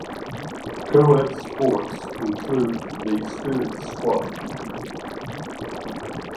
Co-ed sports include the spirit squad.